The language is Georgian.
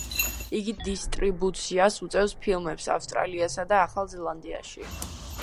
იგი დისტრიბუციას უწევს ფილმებს ავსტრალიასა და ახალ ზელანდიაში.